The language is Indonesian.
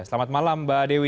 selamat malam mbak dewi